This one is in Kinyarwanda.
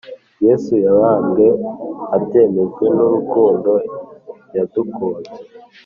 Yesu yabambwe abyemejwe nurukundo yadukunze